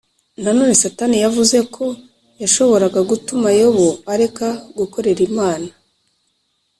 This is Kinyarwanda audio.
Nanone Satani yavuze ko yashoboraga gutuma Yobu areka gukorera Imana